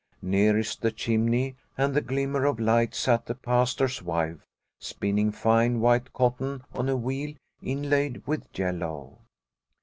Nearest the chimney and the glimmer of light sat the Pastor's wife, spinning fine white cotton on a wheel inlaid with yellow.